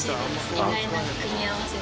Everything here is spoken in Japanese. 意外な組み合わせ。